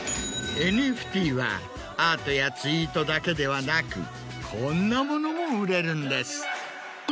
ＮＦＴはアートやツイートだけではなくこんなものも売れるんです。